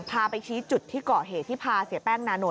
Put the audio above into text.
พาไปชี้จุดที่เกาะเหตุที่พาเสียแป้งนานว